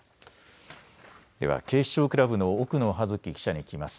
では警視庁クラブの奥野葉月記者に聞きます。